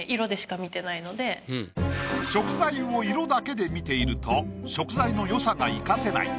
食材を色だけで見ていると食材の良さが生かせない。